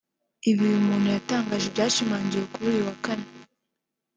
Ibi uyu muntu yatangaje byashimangiwe kuri uyu wa kane